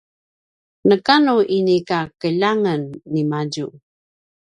neka nu inika keljangen nimadju